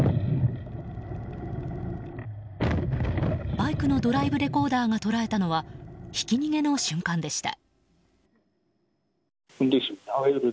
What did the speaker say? バイクのドライブレコーダーが捉えたのはひき逃げの瞬間でした。